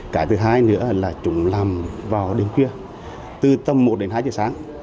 cái thứ hai nữa là chúng làm vào đêm khuya từ tầm một đến hai giờ sáng